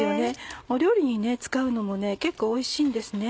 お料理に使うのも結構おいしいんですね。